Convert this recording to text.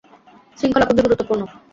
শৃঙ্খলা খুবই গুরুত্বপূর্ণ!